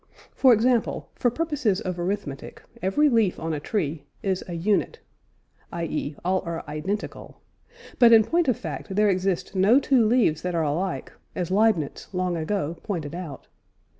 For example, for purposes of arithmetic, every leaf on a tree is an "unit" (i.e. all are "identical"); but, in point of fact, there exist no two leaves that are alike, as Leibniz, long ago, pointed out.